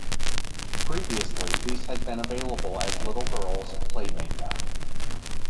Previously these had been available as little girls' play makeup.